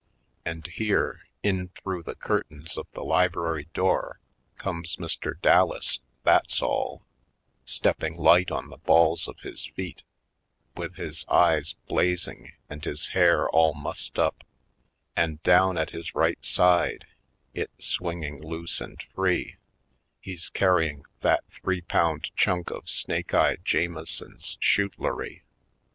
And here, in through the curtains of the library door comes Mr. Dallas, that's all, stepping light on the balls of his feet, with his eyes blazing and his hair all mussed up, and down at his right side, it swinging loose and free, he's carrying that three pound chunk of Snake Eye Jamison's shootlery.